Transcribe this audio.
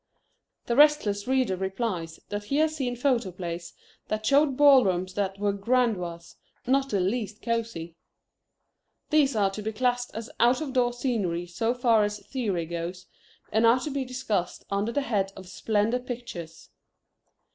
The restless reader replies that he has seen photoplays that showed ballrooms that were grandiose, not the least cosy. These are to be classed as out of door scenery so far as theory goes, and are to be discussed under the head of Splendor Pictures.